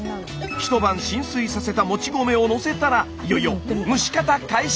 一晩浸水させたもち米をのせたらいよいよ蒸し方開始！